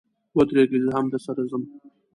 و درېږئ، زه هم درسره ځم.